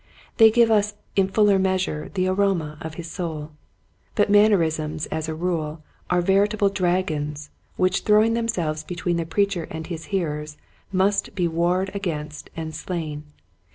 They give us in fuller measure the aroma of his soul. But mannerisms as a rule are verita ble dragons which throwing themselves between the preacher and his hearers must be warred against and slain.